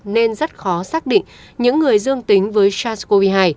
nên rất khó xác định những người dương tính với sars cov hai